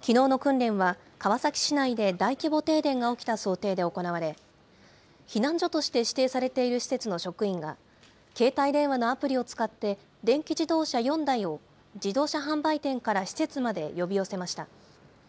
きのうの訓練は、川崎市内で大規模停電が起きた想定で行われ、避難所として指定されている施設の職員が携帯電話のアプリを使って電気自動車４台を、自動車販売店から施設まで呼び寄せました。